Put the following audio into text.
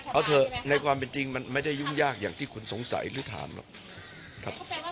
เอาเถอะในความเป็นจริงมันไม่ได้ยุ่งยากอย่างที่คุณสงสัยหรือถามหรอกครับ